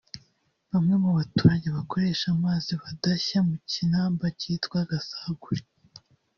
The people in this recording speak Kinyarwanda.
Bamwe mu baturage bakoresha amazi badashye mu Kinamba cyitwa “Gasagure”